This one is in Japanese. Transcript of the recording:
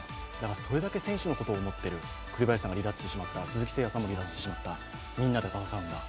それだけ選手のことを思っている、栗林さんが離脱してしまった鈴木誠也さんも離脱してしまった。